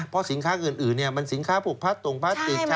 เพราะสินค้าอื่นมันสินค้าปกพรรตตุ๋งพัสต์ติ๊งใช้